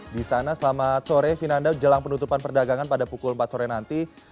di sana selamat sore vinanda jelang penutupan perdagangan pada pukul empat sore nanti